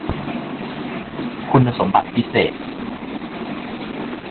คุณสมบัติพิเศษ